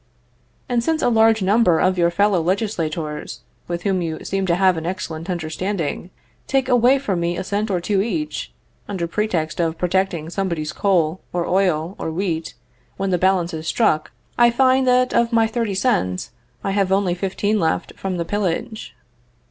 And since a large number of your fellow legislators, with whom you seem to have an excellent understanding, take away from me a cent or two each, under pretext of protecting somebody's coal, or oil, or wheat, when the balance is struck, I find that of my thirty cents I have only fifteen left from the pillage.